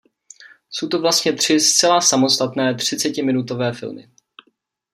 Jsou to vlastně tři zcela samostatné třicetiminutové filmy.